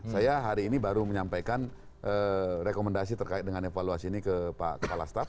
saya hari ini baru menyampaikan rekomendasi terkait dengan evaluasi ini ke pak kepala staff